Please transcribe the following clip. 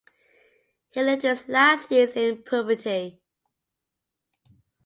He lived his last years in poverty.